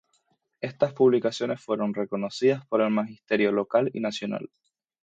Estas publicaciones fueron reconocidas por el magisterio local y nacional.